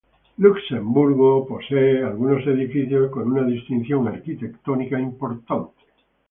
Luxemburgo posee algunos edificios con una distinción arquitectónica importante.